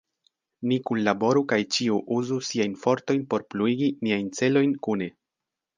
Ni kunlaboru kaj ĉiu uzu siajn fortojn por pluigi niajn celojn kune.